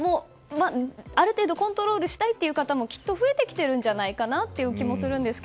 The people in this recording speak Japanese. ある程度、コントロールをしたい方も増えてきているんじゃないかという気もするんですが。